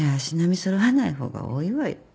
揃わない方が多いわよ。